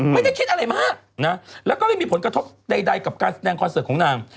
ไม่ได้คิดอะไรมากนะแล้วก็ไม่มีผลกระทบใดกับการแสดงคอนเสิร์ตของนาง